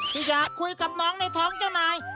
ที่อยากคุยกับน้องในท้องเจ้านาย